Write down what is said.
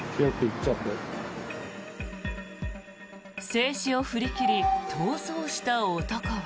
制止を振り切り逃走した男は。